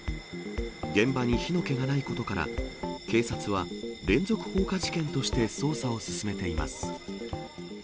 現場に火の気がないことから、警察は、連続放火事件として捜査を進めています。